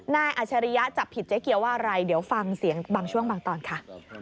อัชริยะจับผิดเจ๊เกียวว่าอะไรเดี๋ยวฟังเสียงบางช่วงบางตอนค่ะ